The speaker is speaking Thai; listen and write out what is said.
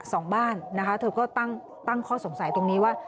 สองบ้านนะคะเธอก็ตั้งข้อสงสัยตรงนี้ว่า